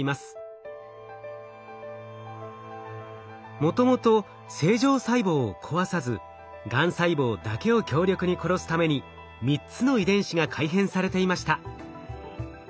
もともと正常細胞を壊さずがん細胞だけを強力に殺すために３つの遺伝子が改変されていました。